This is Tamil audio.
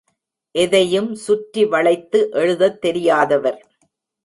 எதையும் சுற்றி வளைத்து எழுதத் தெரியாதவர்.